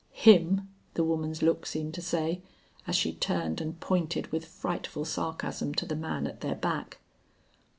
"Him?" the woman's look seemed to say, as she turned and pointed with frightful sarcasm to the man at their back.